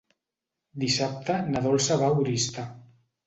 Dissabte na Dolça va a Oristà.